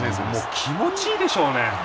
気持ちいいでしょうね。